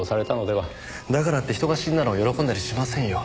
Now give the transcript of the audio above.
だからって人が死んだのを喜んだりしませんよ。